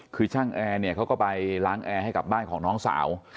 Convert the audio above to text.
คือช่างแอร์เนี่ยเขาก็ไปล้างแอร์ให้กับบ้านของน้องสาว